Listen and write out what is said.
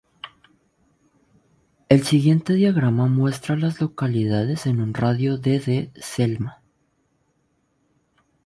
El siguiente diagrama muestra a las localidades en un radio de de Selma.